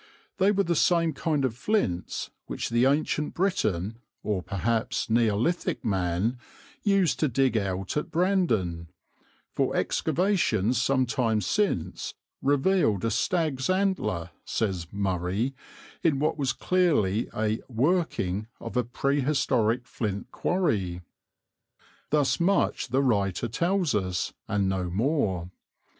They were the same kind of flints which the ancient Briton, or perhaps Neolithic man, used to dig out at Brandon, for excavations some time since revealed a stag's antler, says "Murray," in what was clearly a "working" of a prehistoric flint quarry. Thus much the writer tells us and no more.